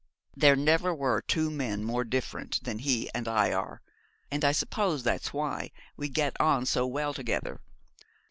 There never were two men more different than he and I are; and I suppose that's why we get on so well together.